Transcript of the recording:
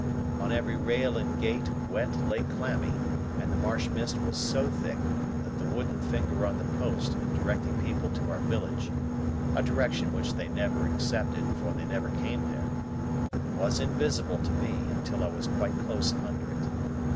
On every rail and gate, wet lay clammy, and the marsh mist was so thick, that the wooden finger on the post directing people to our village—a direction which they never accepted, for they never came there—was invisible to me until I was quite close under it.